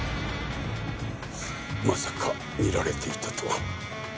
まさか見られていたとは。